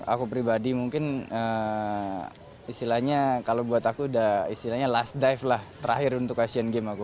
aku pribadi mungkin istilahnya kalau buat aku udah istilahnya last dive lah terakhir untuk asian games aku